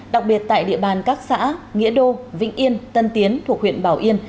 đặc biệt tại địa bàn các xã nghĩa đô vĩnh yên tân tiến thuộc huyện bảo yên